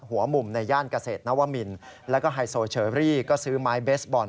หัวมุมในย่านเกษตรนวมินแล้วก็ไฮโซเชอรี่ก็ซื้อไม้เบสบอล